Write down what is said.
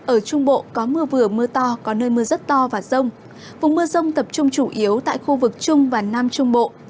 ở trung bộ có mưa vừa mưa to có nơi mưa rất to và rông vùng mưa rông tập trung chủ yếu tại khu vực trung và nam trung bộ